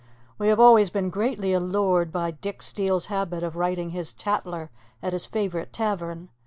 We have always been greatly allured by Dick Steele's habit of writing his Tatler at his favourite tavern.